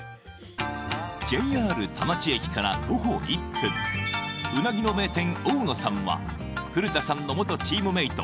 ＪＲ田町駅から徒歩１分うなぎの名店大乃さんは古田さんの元チームメイト